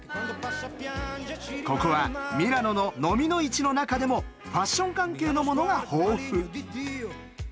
ここはミラノのノミの市の中でもファッション関係のものが豊富。